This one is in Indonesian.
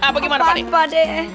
bagaimana pak dek